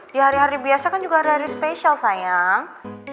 di hari hari biasa kan juga hari hari spesial sayang